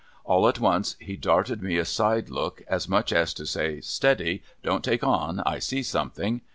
All at once, he darted me a side look, as much as to say, ' Steady — don't take on — I see something